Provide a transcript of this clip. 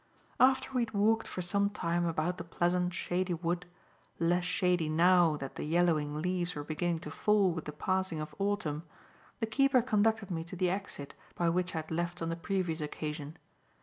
After we had walked for some time about the pleasant, shady wood, less shady now that the yellowing leaves were beginning to fall with the passing of autumn, the keeper conducted me to the exit by which I had left on the previous occasion.